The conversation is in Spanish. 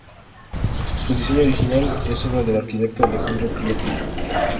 Su diseño original es obra del arquitecto Alejandro Pietri.